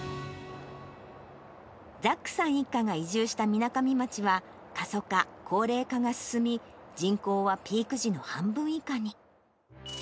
ザックさん一家が移住したみなかみ町は、過疎化、高齢化が進み、人口はピーク時の半分以下に。